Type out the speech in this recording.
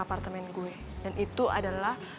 apartemen gue dan itu adalah